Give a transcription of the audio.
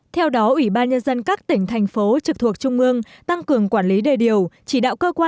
theo đó ủy ban nhân dân các tỉnh thành phố trực thuộc trung ương tăng cường quản lý đê điều